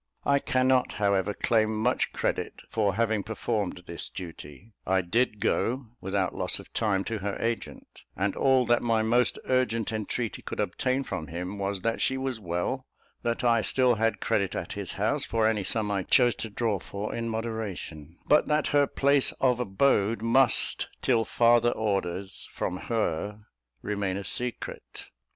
I cannot, however, claim much credit for having performed this duty. I did go, without loss of time, to her agent; and all that my most urgent entreaty could obtain from him was that she was well; that I still had credit at his house for any sum I chose to draw for in moderation; but that her place of abode must, till farther orders from her, remain a secret.